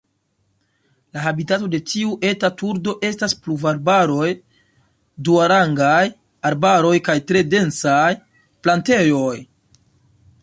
La habitato de tiu eta turdo estas pluvarbaroj, duarangaj arbaroj kaj tre densaj plantejoj.